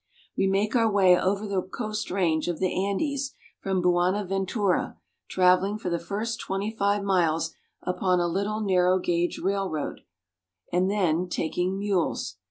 We make our way over the coast range of the Andes from Buenaventura, travehng for the first twenty five miles upon a little narrow gauge railroad, and then taking mules.